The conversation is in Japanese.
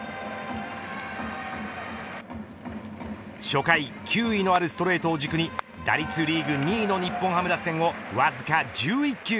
初回、球威のあるストレートを軸に打率リーグ２位の日本ハム打線をわずか１１球。